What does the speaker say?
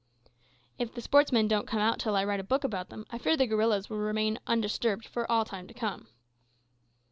"If the sportsmen don't come out until I write a book about them, I fear the gorillas will remain undisturbed for all time to come."